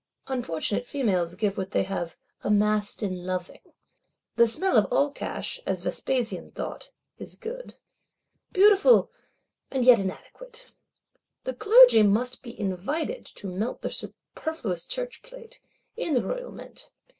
Unfortunate females give what they "have amassed in loving." The smell of all cash, as Vespasian thought, is good. Beautiful, and yet inadequate! The Clergy must be "invited" to melt their superfluous Church plate,—in the Royal Mint.